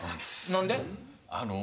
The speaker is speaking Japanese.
何で？